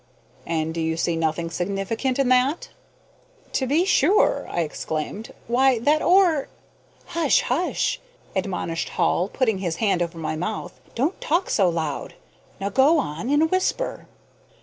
"And do you see nothing significant in that?" "To be sure!" I exclaimed. "Why, that ore " "Hush! hush!" admonished Hall, putting his hand over my mouth; "don't talk so loud. Now go on, in a whisper."